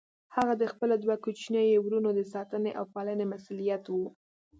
هغه د خپلو دوه کوچنيو وروڼو د ساتنې او پالنې مسئوليت و.